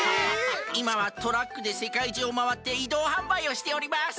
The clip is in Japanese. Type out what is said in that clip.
いまはトラックでせかいじゅうをまわっていどうはんばいをしております。